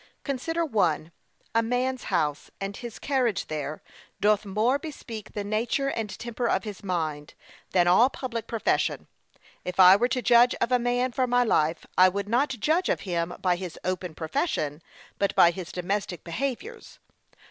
Consider 1. A man's house, and his carriage there, doth more bespeak the nature and temper of his mind, than all public profession. If I were to judge of a man for my life, I would not judge of him by his open profession, but by his domestic behaviours.